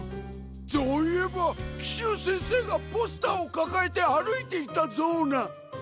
ぞういえばキシュウせんせいがポスターをかかえてあるいていたぞうな。